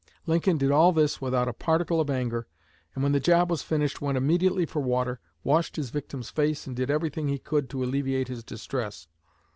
Lincoln did all this without a particle of anger, and when the job was finished went immediately for water, washed his victim's face and did everything he could to alleviate his distress.